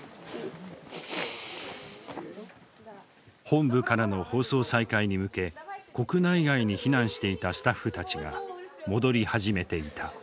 本部からの放送再開に向け国内外に避難していたスタッフたちが戻り始めていた。